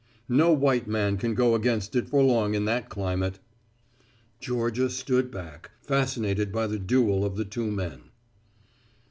No white man can go against it for long in that climate." Georgia stood back, fascinated by the duel of the two men.